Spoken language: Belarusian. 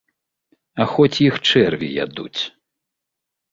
А хоць іх чэрві ядуць.